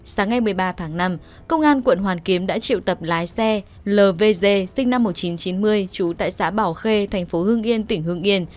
sáng ngày một mươi ba tháng năm công an quận hoàn kiếm đã triệu tập lái xe lvg sinh năm một nghìn chín trăm chín mươi trú tại xã bảo khê thành phố hương yên tỉnh hương yên